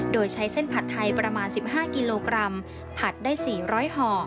โดยใช้เส้นผัดไทยประมาณ๑๕กิโลกรัมผัดได้๔๐๐ห่อ